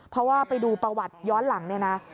เพราะว่าไปดูประวัติย้อนหลังเนี่ยนะ